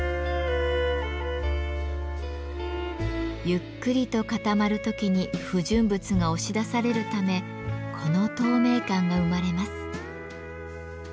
ゆっくりと固まる時に不純物が押し出されるためこの透明感が生まれます。